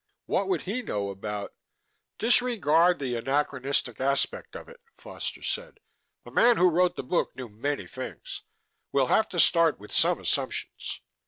"What would he know about " "Disregard the anachronistic aspect of it," Foster said. "The man who wrote the book knew many things. We'll have to start with some assumptions.